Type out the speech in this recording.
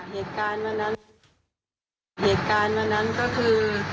เหตุการณ์วันนั้นก็คือ